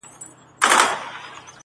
ته په څه منډي وهې موړ يې له ځانه٫